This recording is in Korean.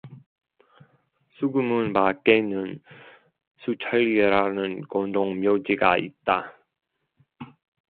수구문 밖에는 수철리라는 공동 묘지가 있다.